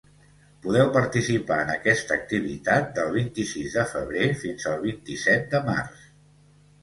Podeu participar en aquesta activitat del vint-i-sis de febrer fins al vint-i-set de març.